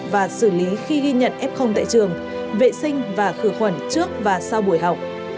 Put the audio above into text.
và xử lý khi ghi nhận f tại trường vệ sinh và khử khuẩn trước và sau buổi học